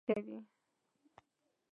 استاد د شخصیت جوړښت ته پاملرنه کوي.